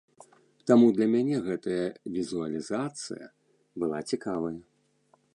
Таму для мяне гэтая візуалізацыя была цікавая.